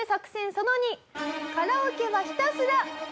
その２「カラオケはひたすら西野カナ」。